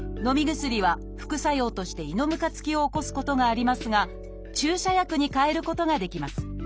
薬は副作用として「胃のむかつき」を起こすことがありますが注射薬にかえることができます。